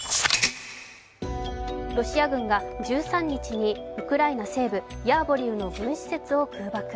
ロシア軍が１３日にウクライナ西部ヤーヴォリウの軍施設を空爆。